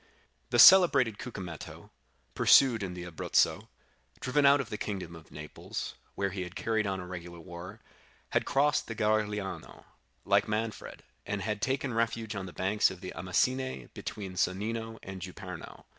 "The celebrated Cucumetto, pursued in the Abruzzo, driven out of the kingdom of Naples, where he had carried on a regular war, had crossed the Garigliano, like Manfred, and had taken refuge on the banks of the Amasine between Sonnino and Juperno.